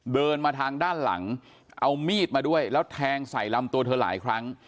เดินมาทางด้านหลังเอามีดมาด้วยแล้วแทงใส่ลำตัวเธอหลายครั้ง